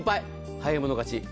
早い者勝ち。